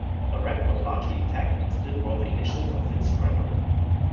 The wreck was largely intact, and still bore the initials of its Squadron.